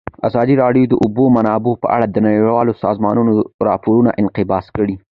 ازادي راډیو د د اوبو منابع په اړه د نړیوالو سازمانونو راپورونه اقتباس کړي.